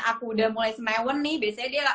aku udah mulai semeh nih biasanya dia